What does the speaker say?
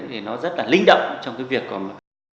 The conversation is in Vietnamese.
thì nó rất là linh động trong cái việc của mình